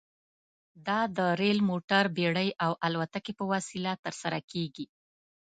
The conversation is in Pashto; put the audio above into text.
دا د ریل، موټر، بېړۍ او الوتکې په وسیله ترسره کیږي.